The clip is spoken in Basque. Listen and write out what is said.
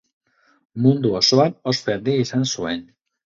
Mundu osoan ospe handia izan zuen.